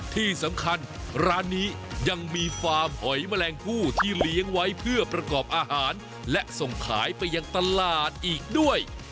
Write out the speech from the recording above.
ที่สำคัญร้านนี้ยังมีฟาร์มหอยแมลงผู้ที่เลี้ยงไว้เพื่อประกอบอาหารและส่งขายไปยังตลาดอีกด้วย